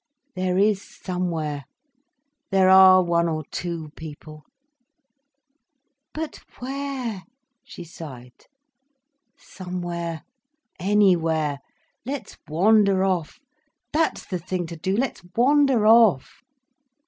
There is somewhere—there are one or two people—" "But where—?" she sighed. "Somewhere—anywhere. Let's wander off. That's the thing to do—let's wander off."